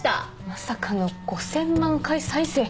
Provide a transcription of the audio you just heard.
まさかの５０００万回再生。